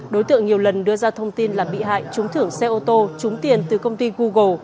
đối tượng nhiều lần đưa ra thông tin là bị hại trúng thưởng xe ô tô trúng tiền từ công ty google